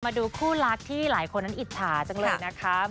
มาดูคู่รักที่หลายคนนั้นอิจฉาจังเลยนะครับ